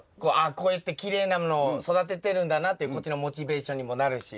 こうやってきれいなものを育ててるんだなっていうこっちのモチベーションにもなるし。